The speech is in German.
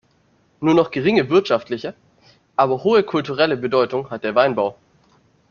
Nur noch geringe wirtschaftliche, aber hohe kulturelle Bedeutung hat der Weinbau.